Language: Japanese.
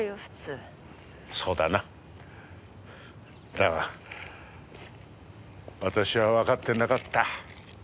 だが私はわかってなかった。